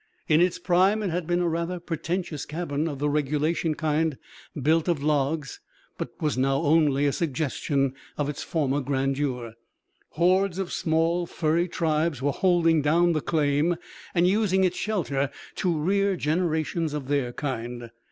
In its prime it had been a rather pretentious cabin of the regulation kind built of logs but was now only a suggestion of its former grandeur. Hordes of small furry tribes were "holding down the claim" and using its shelter to rear generations of their kind.